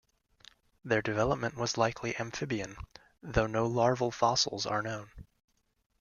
Their development was likely amphibian, though no larval fossils are known.